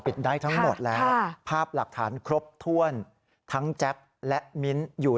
ได้ทั้งหมดแล้วภาพหลักฐานครบถ้วนทั้งแจ๊บและมิ้นอยู่